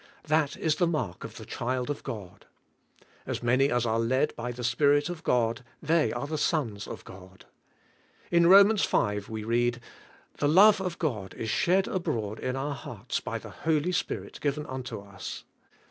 That is the mark of the child of God: "As many as are led by the Spirit of God, they are the sons of God." In Romans V. we read: "The love of God is shed abroad in our hearts by the Holy Spirit given unto us."